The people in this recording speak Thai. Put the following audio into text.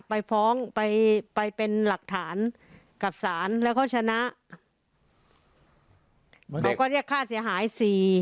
ไปฟ้องไปไปเป็นหลักฐานกับศาลแล้วเขาชนะเขาก็เรียกค่าเสียหายสี่